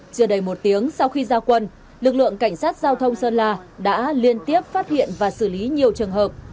chưa đầy một tiếng sau khi ra quân lực lượng cảnh sát giao thông sơn la đã liên tiếp phát hiện và xử lý nhiều trường hợp